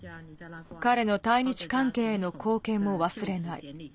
彼の台日関係への貢献も忘れない。